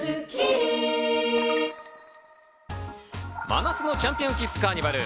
真夏のチャンピオンキッズカーニバル。